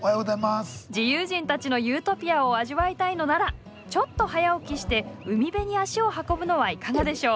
自由人たちのユートピアを味わいたいのならちょっと早起きして海辺に足を運ぶのはいかがでしょう？